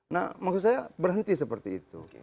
nah maksud saya berhenti seperti itu